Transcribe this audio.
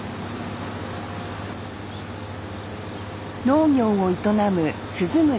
農業を営む鈴村